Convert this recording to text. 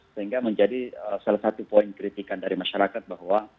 sehingga menjadi salah satu poin kritikan dari masyarakat bahwa